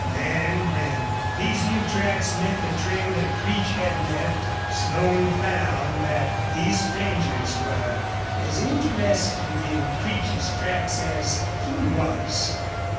Then when these new tracks met the trail that Creech had left Slone found that these strangers were as interested in Creech's tracks as he was.